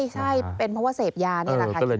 ใช่เป็นเพราะว่าเสพยานี่แหละค่ะ